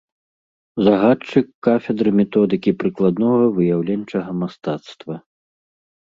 Загадчык кафедры методыкі прыкладнога выяўленчага мастацтва.